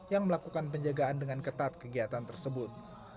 yang melakukan penjagaan dengan ketat kegiatan tersebut